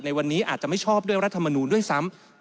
วันนี้อาจจะไม่ชอบด้วยรัฐมนูลด้วยซ้ำ